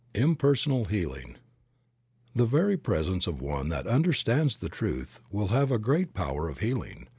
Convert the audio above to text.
IMPERSONAL HEALING. 'THE very presence of one that understands the truth will have a great power of healing.